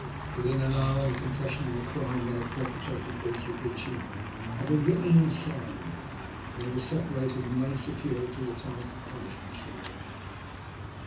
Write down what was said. Within an hour the confession of the crime they had perpetrated against Revecce had been written and signed, and they were separated and made secure until the time for punishment should arrive.